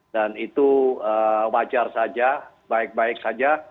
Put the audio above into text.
dan itu wajar saja baik baik saja